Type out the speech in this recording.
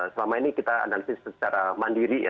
selama ini kita analisis secara mandiri ya